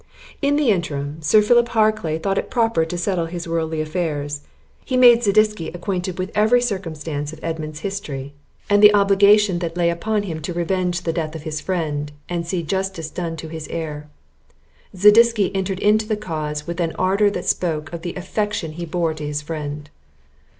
In the interim, Sir Philip Harclay thought proper to settle his worldly affairs. He made Zadisky acquainted with every circumstance of Edmund's history, and the obligation that lay upon him to revenge the death of his friend, and see justice done to his heir. Zadisky entered into the cause with an ardour that spoke the affection he bore to his friend.